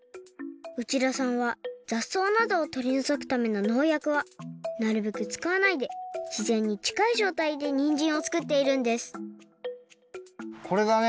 内田さんはざっそうなどをとりのぞくためののうやくはなるべくつかわないでしぜんにちかいじょうたいでにんじんをつくっているんですこれがね